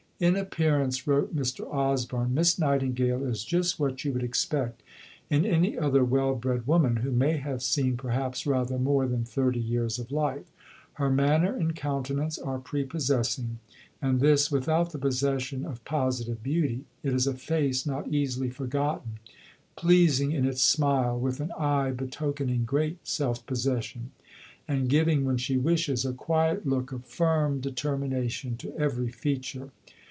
"In appearance," wrote Mr. Osborne, "Miss Nightingale is just what you would expect in any other well bred woman, who may have seen perhaps rather more than thirty years of life; her manner and countenance are prepossessing, and this without the possession of positive beauty; it is a face not easily forgotten, pleasing in its smile, with an eye betokening great self possession, and giving, when she wishes, a quiet look of firm determination to every feature.